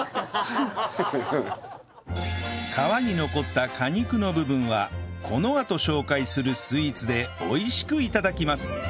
皮に残った果肉の部分はこのあと紹介するスイーツで美味しく頂きます